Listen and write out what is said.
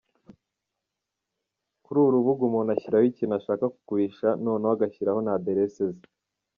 Kuri uru rubuga umuntu ashyiraho ikintu ashaka kugurisha noneho agashyiraho n’aderese ze.